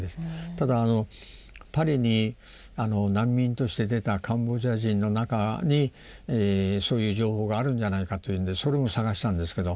ただパリに難民として出たカンボジア人の中にそういう情報があるんじゃないかというのでそれも探したんですけど。